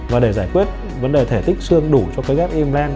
và để giải quyết vấn đề thể tích xương đủ cho cái ghép imland